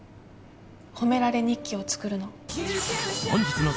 褒められ日記を作るの。